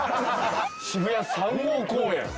「渋谷３号公園」。